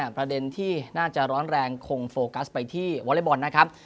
ประเด็นที่น่าจะร้อนแรงคงโฟกัสไปที่วอเล็กบอลนะครับ